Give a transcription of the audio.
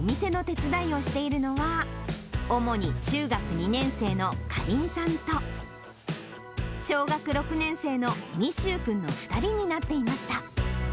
そのため、最近、お店の手伝いをしているのは、主に中学２年生の果林さんと、小学６年生の実愁君の２人になっていました。